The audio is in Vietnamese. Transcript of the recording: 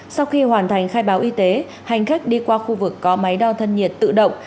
sau khi hoàn thành khai báo y tế hành khách đi qua khu vực có máy đo thân nhiệt tự động